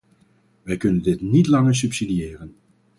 Wij kunnen dit niet langer subsidiëren.